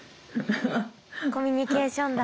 コミュニケーションだ。